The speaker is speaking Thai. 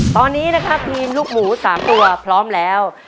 ตอนนี้นะครับทีมลูกหมู๓ตัวพร้อมแล้ว